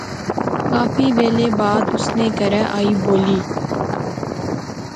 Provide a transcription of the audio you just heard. کافی ویلے بعد اس نے کہھرے آلی بولی